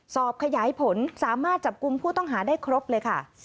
สอบขยายผลสามารถจับกลุ่มผู้ต้องหาได้ครบเลยค่ะ